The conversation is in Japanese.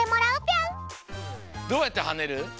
どうやってはねる？